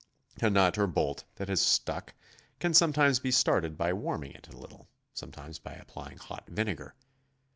A nut or bolt that has stuck, can sometimes be started by warming it a little, sometimes by applying hot vinegar.